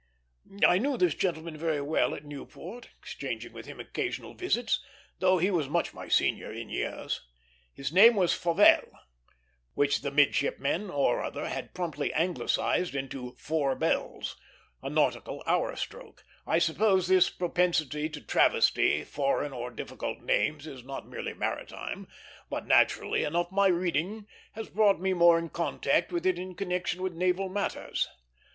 I knew this gentleman very well at Newport, exchanging with him occasional visits, though he was much my senior in years. His name was Fauvel, which the midshipmen, or other, had promptly Anglicized into Four Bells a nautical hour stroke. I suppose this propensity to travesty foreign or difficult names is not merely maritime; but naturally enough my reading has brought me more in contact with it in connection with naval matters.